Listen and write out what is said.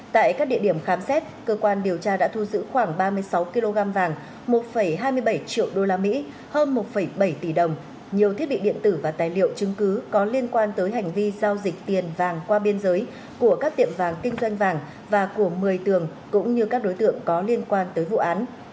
tại các địa điểm khám xét cơ quan điều tra đã thu giữ khoảng ba mươi sáu kg vàng một hai mươi bảy triệu usd hơn một bảy tỷ đồng nhiều thiết bị điện tử và tài liệu chứng cứ có liên quan tới hành vi giao dịch tiền vàng qua biên giới của các tiệm vàng kinh doanh vàng và của một mươi tường cũng như các đối tượng có liên quan tới vụ án